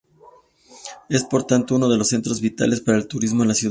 Es por tanto uno de los centros vitales para el turismo en la ciudad.